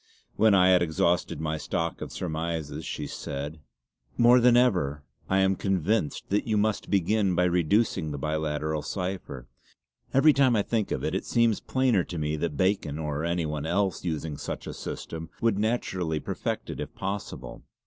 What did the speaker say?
When I had exhausted my stock of surmises she said: "More than ever I am convinced that you must begin by reducing the biliteral cipher. Every time I think of it, it seems plainer to me that Bacon, or any one else using such a system, would naturally perfect it if possible.